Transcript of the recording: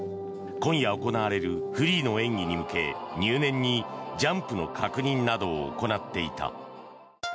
今夜行われるフリーの演技に向け入念にジャンプの確認などを行っていた。